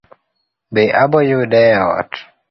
Be aboyude e ot?